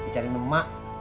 cari benim mak